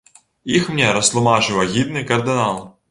Іх мне растлумачыў агідны кардынал.